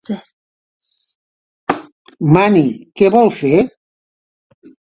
Mani: què vol fer?